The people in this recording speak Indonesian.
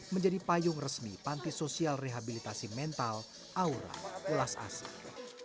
menjadi payung resmi panti sosial rehabilitasi mental aura ulas asih